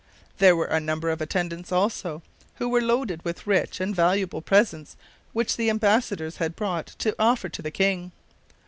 There were a number of attendants also, who were loaded with rich and valuable presents which the embassadors had brought to offer to the king.